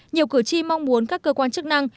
nhiều cử tri mong muốn các cơ quan chức năng